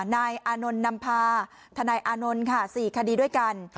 นายอานนท์นำพาทนายอานนท์ค่ะ๔คดีด้วยกัน